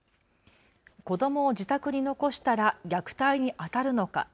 子どもを自宅に残したら虐待にあたるのか。